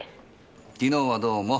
昨日はどうも。